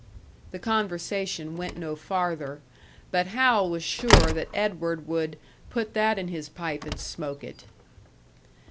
The conversation went no farther but Hal was sure that Edward would "put that in his pipe and smoke it."